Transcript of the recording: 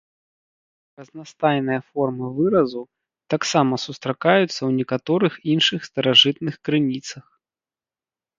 Разнастайныя формы выразу таксама сустракаюцца ў некаторых іншых старажытных крыніцах.